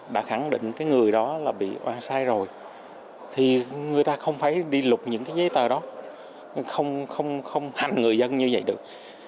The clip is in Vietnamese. đã khẳng định cái người đó là bị oa sai rồi thì người ta không phải đi lục những cái giấy tờ đó không hành người dân như vậy được